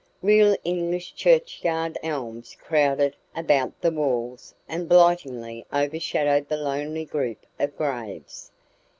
Real English churchyard elms crowded about the wall and blightingly overshadowed the lonely group of graves.